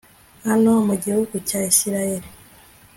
hano mu gihugu cya isirayeli